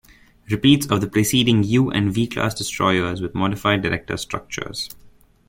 Repeats of the preceding U and V-class destroyers, with modified director structures.